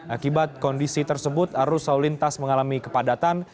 akibat kondisi tersebut arus saulintas mengalami kepadatan